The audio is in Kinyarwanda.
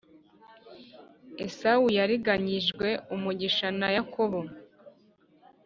Esawu yariganyijwe umugisha na yakobo